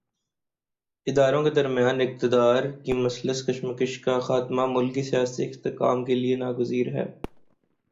اداروں کے درمیان اقتدار کی مسلسل کشمکش کا خاتمہ، ملک کے سیاسی استحکام کے لیے ناگزیر ہے۔